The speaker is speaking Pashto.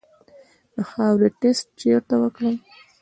د خاورې ټسټ چیرته وکړم؟